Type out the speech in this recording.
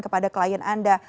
kepada klien anda